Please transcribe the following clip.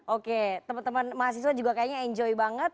oke temen temen mahasiswa juga kayaknya enjoy banget